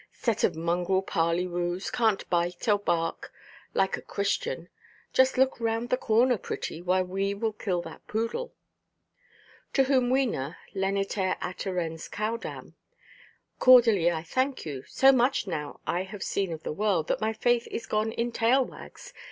Set of mongrel parley–woos, canʼt bark or bite like a Christian. Just look round the corner, pretty, while we kill that poodle." To whom Wena—leniter atterens caudam—"Cordially I thank you. So much now I have seen of the world that my faith is gone in tail–wags.